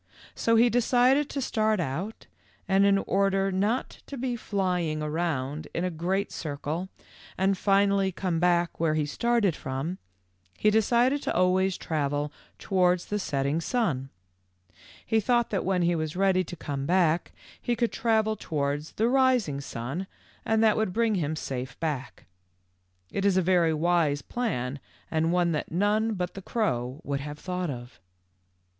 So he decided to start out, and in order not to be flying 88 THE LITTLE FORESTERS. around in a great circle and finally come back where he started from, he decided to always travel towards the setting sun. He thought that when he was ready to come back he could travel towards the rising sun and that would bring him safe back. It is a very w T ise plan and one that none but the crow would have thought of.